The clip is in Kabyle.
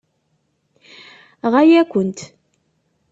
Ɣaya-kent.